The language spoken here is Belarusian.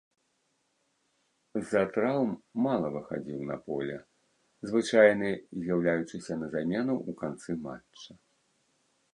З-за траўм мала выхадзіў на поле, звычайны з'яўляючыся на замену ў канцы матча.